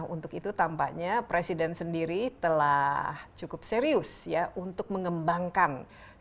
untuk itu tampaknya presiden sendiri telah cukup serius untuk mengembangkan sepak bola